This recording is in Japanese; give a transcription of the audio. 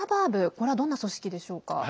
これはどんな組織でしょうか？